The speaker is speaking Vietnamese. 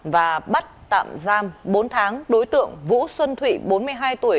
và bắt tạm giam bốn tháng đối tượng vũ xuân thụy bốn mươi hai tuổi